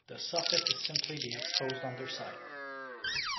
The soffit is simply the exposed underside.